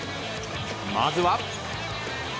まずは。